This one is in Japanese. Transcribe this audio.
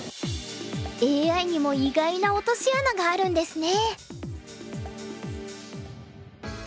ＡＩにも意外な落とし穴があるんですね。